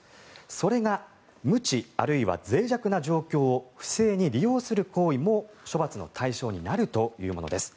それが無知あるいは脆弱な状況を不正に利用する行為も処罰の対象になるというものです。